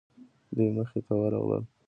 دوی مخې ته ورغلو.